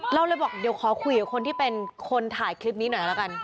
เราเลยบอกเดี๋ยวขอคุยกับคนที่เป็นคนถ่ายคลิปนี้หน่อยแล้วกัน